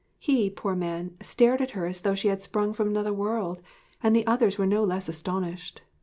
He, poor man, stared at her as though she had sprung from another world, and the others were no less astonished.